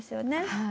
はい。